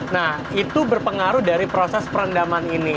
nah itu berpengaruh dari proses perendaman ini